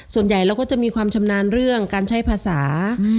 เราก็จะมีความชำนาญเรื่องการใช้ภาษา